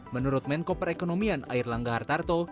menurut menko perekonomian air langga hartarto